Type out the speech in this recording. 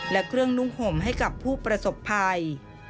และเครื่องนุ่งห่มให้กับผู้ประสบภัย